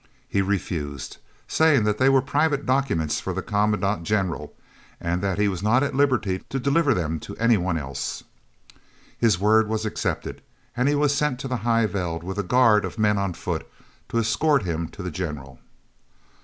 He refused, saying that they were private documents for the Commandant General, and that he was not at liberty to deliver them to any one else. His word was accepted, and he was sent to the High Veld with a guard of men on foot to escort him to the General.